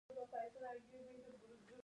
افغانستان د نورستان له مخې پېژندل کېږي.